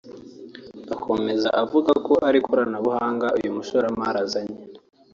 Akomeza avuga ko iri koranabuhanga uyu mushoramari azanye